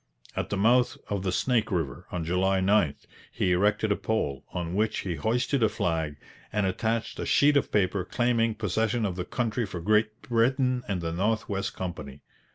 At the mouth of the Snake River, on July 9, he erected a pole, on which he hoisted a flag and attached a sheet of paper claiming possession of the country for Great Britain and the North West Company.